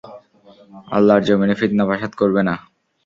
আল্লাহর যমীনে ফিতনা-ফাসাদ করবে না।